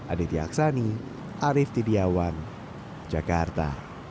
aditya aksani arief tidiawan jakarta